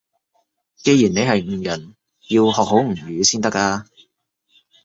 既然你係吳人，要學好吳語先得㗎